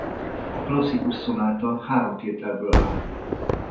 A klasszikus szonáta három tételből áll.